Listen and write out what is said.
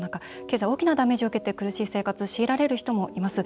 経済大きなダメージを受けて苦しい生活強いられる人もいます。